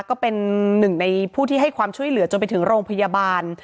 ก็เป็นหนึ่งในผู้ที่ให้ความช่วยเหลือจนไปถึงโรงพยาบาล